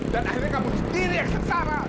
dan akhirnya kamu sendiri yang sengsara